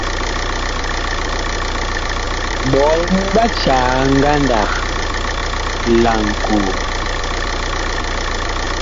Ɓɔɔŋ ɓa caa ngandag laŋkoo.